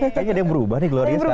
kayaknya dia berubah nih gloria sekarang